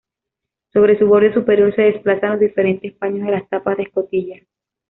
Sobre su borde superior se desplazan los diferentes paños de las tapas de escotilla.